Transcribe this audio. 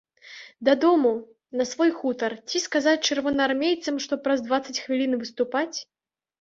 Дадому, на свой хутар, ці сказаць чырвонаармейцам, што праз дваццаць хвілін выступаць?